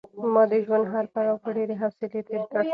ما د ژوند هر پړاو په ډېرې حوصلې تېر کړ.